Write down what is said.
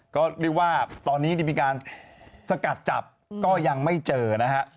ก็เรียกว่าตอนนี้มีการสกัดจับก็ยังไม่เจอนะฮะ